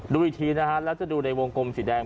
ดูอีกทีนะฮะแล้วจะดูในวงกลมสีแดง